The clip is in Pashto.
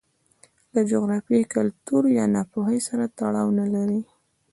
له جغرافیې، کلتور یا ناپوهۍ سره تړاو نه لري.